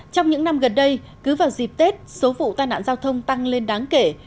trong những năm gần đây cứ vào dịp tết số vụ tai nạn giao thông tăng lên đáng kể